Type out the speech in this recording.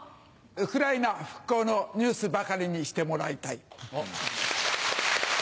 ウクライナ復興のニュースばかりにしてもらいたい。